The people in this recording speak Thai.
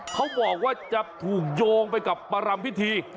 เขาบอกว่าจะถูกโยงไปกับประรำพิธี